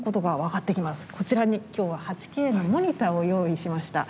こちらに今日は８Ｋのモニターを用意しました。